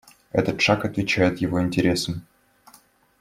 Этот шаг отвечает его интересам.